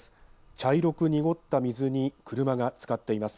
茶色く濁った水に車がつかっています。